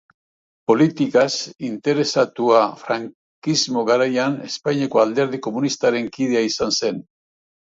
Politikaz interesatua, frankismo garaian, Espainiako Alderdi Komunistaren kidea izan zen.